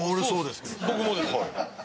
僕もです。